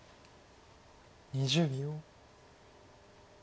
２０秒。